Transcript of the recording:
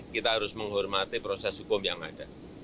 kita harus menghormati proses hukum yang ada